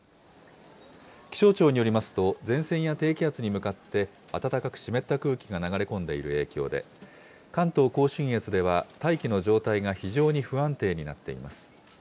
気象庁によりますと、前線や低気圧に向かって暖かく湿った空気が流れ込んでいる影響で、関東甲信越では大気の状態が非常に不安定になっています。